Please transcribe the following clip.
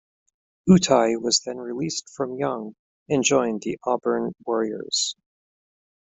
Utai was then released from Young and joined the Auburn Warriors.